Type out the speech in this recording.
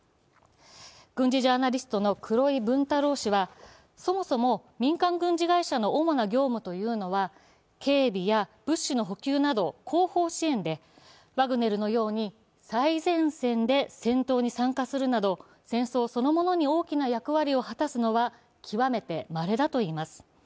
軍事ジャーナリストの黒井文太郎氏は、そもそも民間軍事会社の主な業務というのは警備や物資の補給など後方支援でワグネルのように戦争そのものに大きな役割を果たすのは極めてまれだといいます。